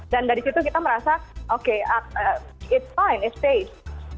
dan dari situ kita merasa oke it's fine it's safe